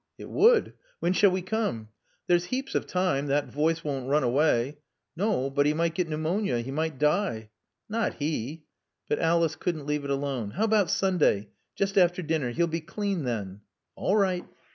"It would." "When shall we come?" "There's heaps of time. That voice won't run away." "No. But he might get pneumonia. He might die." "Not he." But Alice couldn't leave it alone. "How about Sunday? Just after dinner? He'll be clean then." "All right.